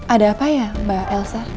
ada apa ya mbak elsa